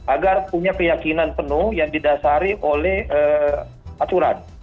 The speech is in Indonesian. agar punya keyakinan penuh yang didasari oleh aturan